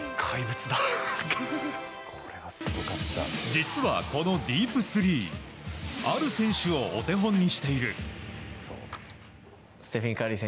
実は、このディープスリーある選手をお手本にしている。